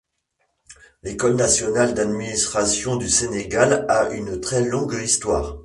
L'École Nationale d'Administration du Sénégal a une très longue histoire.